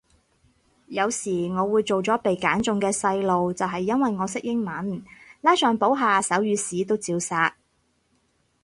有時我會做咗被揀中嘅細路就係因為我識英文，拉上補下手語屎都照殺